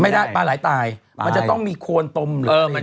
ไม่ได้ปลาหลายตายมันจะต้องมีโคลนตมหรืออะไรอย่างนี้